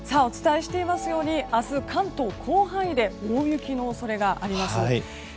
お伝えしていますように明日、関東広範囲で大雪の恐れがあります。